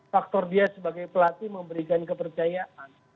faktor dia sebagai pelatih memberikan kepercayaan